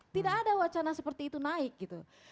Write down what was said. tidak ada wacana seperti itu naik gitu